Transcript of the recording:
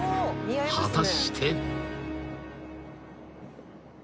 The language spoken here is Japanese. ［果たして］